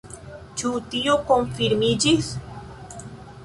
Ĉu tio konfirmiĝis?